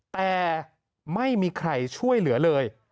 แต่ไม่มีใครช่วยเหลือเลย